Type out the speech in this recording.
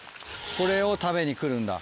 これを食べに来るんだ。